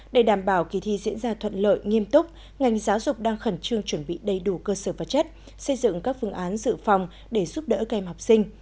để đảm bảo kỳ thi diễn ra thuận lợi nghiêm túc ngành giáo dục đang khẩn trương chuẩn bị đầy đủ cơ sở vật chất xây dựng các phương án dự phòng để giúp đỡ các em học sinh